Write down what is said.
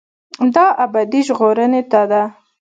دا ابدي ژغورنې ته ده.